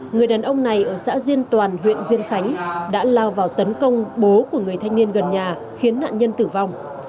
người đàn ông này ở xã diên toàn huyện diên khánh đã lao vào tấn công bố của người thanh niên gần nhà khiến nạn nhân tử vong